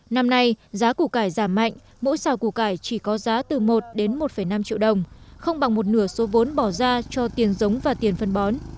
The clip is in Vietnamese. năm nay giá củ cải giảm mạnh mỗi xào củ cải chỉ có giá từ một đến một năm triệu đồng không bằng một nửa số vốn bỏ ra cho tiền giống và tiền phân bó